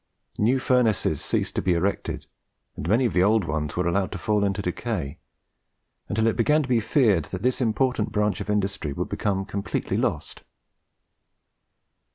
New furnaces ceased to be erected, and many of the old ones were allowed to fall into decay, until it began to be feared that this important branch of industry would become completely lost.